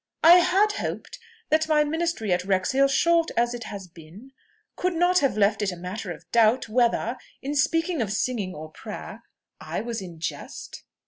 "I had hoped that my ministry at Wrexhill, short as it has been, could not have left it a matter of doubt whether, in speaking of singing or prayer, I was in jest?"